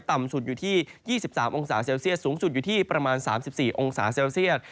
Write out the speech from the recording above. ต่ำสุดอยู่ที่๒๓องศาเซลเซียสสูงสุดอยู่ที่ประมาณ๓๔องศาเซลเซียต